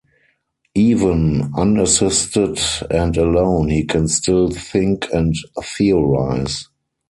Even unassisted and alone, he can still think and theorize.